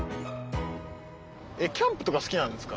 キャンプとか好きなんですか？